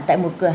tại một cửa hàng